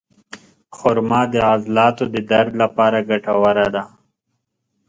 خرما د عضلاتو د درد لپاره ګټوره ده.